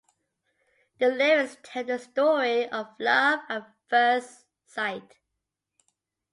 The lyrics tells the story of love at first sight.